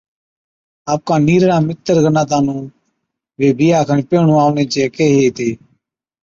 آپڪان نِيرڙان متر گناتان نُون وي بِيھا کن پيھِڻِيُون آوڻي چي ڪيھي ھِتي